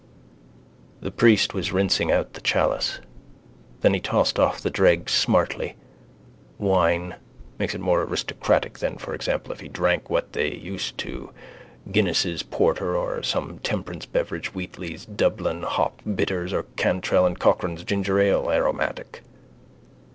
The priest was rinsing out the chalice: then he tossed off the dregs smartly. Wine. Makes it more aristocratic than for example if he drank what they are used to Guinness's porter or some temperance beverage Wheatley's Dublin hop bitters or Cantrell and Cochrane's ginger ale (aromatic).